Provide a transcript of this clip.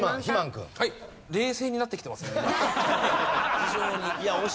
非常に。